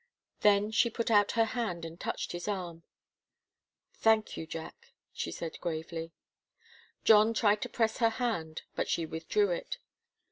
Then she put out her hand and touched his arm. "Thank you, Jack," she said gravely. John tried to press her hand, but she withdrew it.